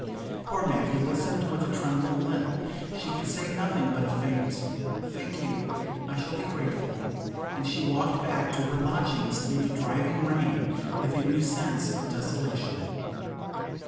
Poor Maggie listened with a trembling lip; she could say nothing but a faint "Thank you, I shall be grateful"; and she walked back to her lodgings, through the driving rain, with a new sense of desolation.